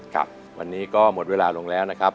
ครับวันนี้ก็หมดเวลาลงแล้วนะครับ